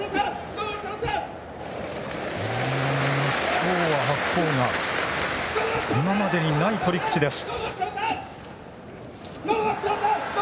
今日は白鵬が今までにない取り口です。